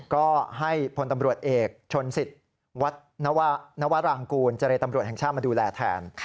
ก็ให้พลตำรวจเอกชนสิทธิ์นวรางกูลเจรตำรวจแห่งชาติมาดูแลแทน